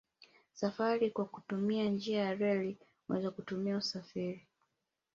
Safari kwa kutumia njia ya reli unaweza kutumia usafiri